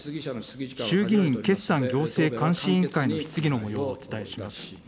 衆議院決算行政監視委員会の質疑のもようをお伝えします。